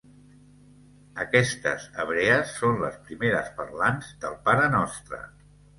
Aquestes hebrees són les primeres parlants del parenostre.